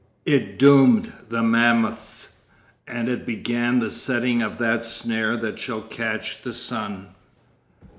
It doomed the mammoths, and it began the setting of that snare that shall catch the sun.